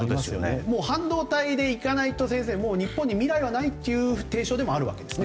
半導体でいかないと日本に未来はないという提唱でもあるわけですね。